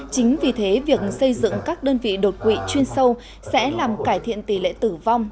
chính vì thế việc xây dựng các đơn vị đột quỵ chuyên sâu sẽ làm cải thiện tỷ lệ tử vong